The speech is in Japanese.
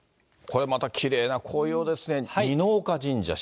これまたきれいな紅葉ですね。